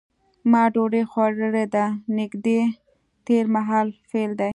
ما ډوډۍ خوړلې ده نږدې تېر مهال فعل دی.